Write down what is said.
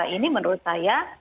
ini menurut saya